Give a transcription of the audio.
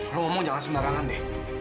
kalau ngomong jangan sembarangan deh